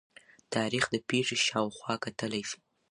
تاریخ د پېښې شا او خوا کتلي شي.